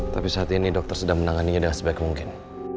tapi saat ini dokter sedang menanganinya dengan sebaik mungkin